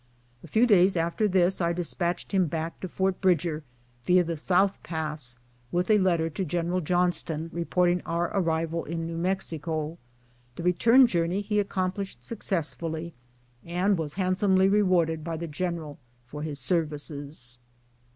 A few days after this I dispatched him back to Fort Bridger, via the South Pass, with a letter to General John ston reporting our arrival in New Mexico. The return journey he accomplished successfully, and was handsomely rewarded by the general for his services.